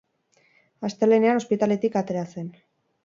Astelehenean ospitaletik atera zen.